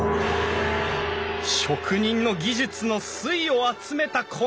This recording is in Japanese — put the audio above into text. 職人の技術の粋を集めたこの天井！